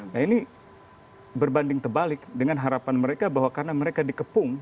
nah ini berbanding terbalik dengan harapan mereka bahwa karena mereka dikepung